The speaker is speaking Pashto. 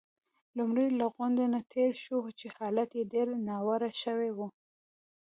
لومړی له غونډ نه تېر شوو، چې حالت يې ډېر ناوړه شوی وو.